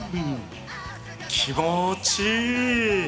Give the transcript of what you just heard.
気持ちいい！